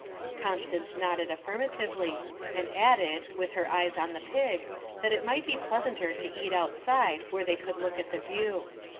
Constance nodded affirmatively, and added, with her eyes on the pig, that it might be pleasanter to eat outside where they could look at the view.